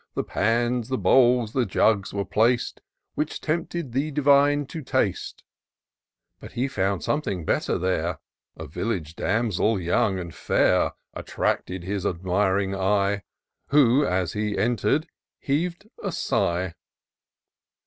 The pans, the bowls, the jugs were plac'd. Which tempted the Divine to taste ; But he found something better there: A village damsel, young and fair, IN SEARCH OF THE PICTURESQUE. 205 Attracted his admiring eye: Who, as he enter'd, heaved a sigh.